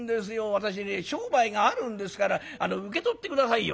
私ね商売があるんですから受け取って下さいよ」。